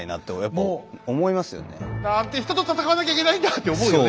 もうなんて人と戦わなきゃいけないんだって思うよね